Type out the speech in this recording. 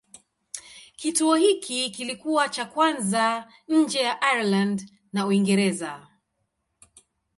Kituo hiki kilikuwa cha kwanza nje ya Ireland na Uingereza.